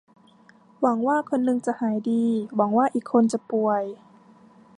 หวังว่าคนนึงจะหายดี หวังว่าอีกคนจะป่วย